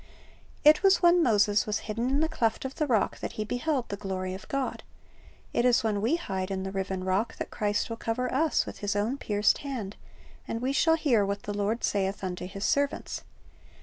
"^ It was when Moses was hidden in the cleft of the rock that he beheld the glory of God. It is when we hide in the riven Rock that Christ will cover us with His own pierced hand, and we shall hear what the Lord saith unto His servants.